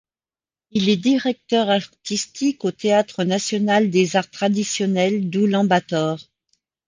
Il est directeur artistique au Théâtre National des Arts traditionnels d’Oulan Bator.